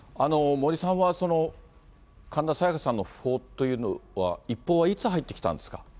森さんは、神田沙也加さんの訃報というのは、一報はいつ入ってきたんですか。